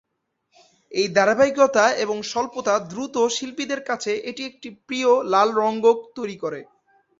এর ধারাবাহিকতা এবং স্বল্পতা দ্রুত শিল্পীদের কাছে এটি একটি প্রিয় লাল রঙ্গক তৈরি করে।